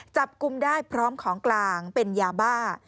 จับกลุ่มได้พร้อมของกลางเป็นยาบ้า